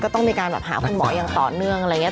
ต้องมีการแบบหาคุณหมออย่างต่อเนื่องอะไรอย่างนี้